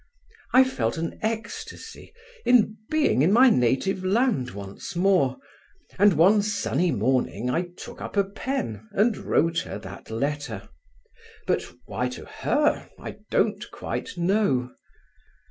I felt an ecstasy in being in my native land once more; and one sunny morning I took up a pen and wrote her that letter, but why to her, I don't quite know.